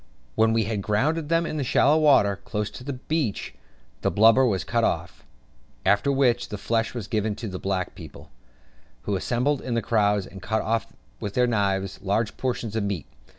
When we had grounded them in the shallow water, close to the beach, the blubber was cut off; after which, the flesh was given to the black people, who assembled in crowds, and cut off with their knives large portions of the meat.